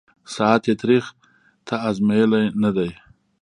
ساعت یې تریخ » تا آزمېیلی نه دی